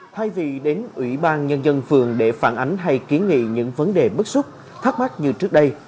thay vì đến ủy ban nhân dân phường để phản ánh hay kiến nghị những vấn đề bức xúc thắc mắc như trước đây